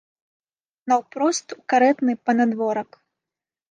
Наўпрост у карэтны панадворак.